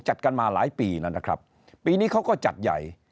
จัดกันมาหลายปีแล้วนะครับปีนี้เขาก็จัดใหญ่